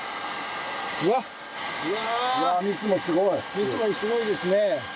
蜜もすごいですね。